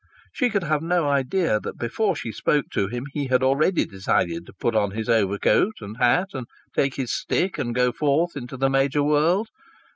She could have no idea that before she spoke to him he had already decided to put on his overcoat and hat and take his stick and go forth into the major world.